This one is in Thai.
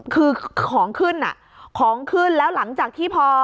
คือของขึ้นอ่ะของขึ้นแล้วหลังจากที่พอ